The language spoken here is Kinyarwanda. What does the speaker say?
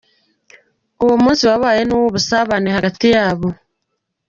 Uwo munsi wabaye n’uw’ubusabane hagati yabo.